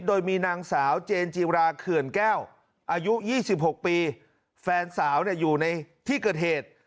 โดยมีนางสาวเจนจีราเขื่อนแก้วอายุ๒๖ปีแฟนสาวอยู่ในที่เกิดเหตุ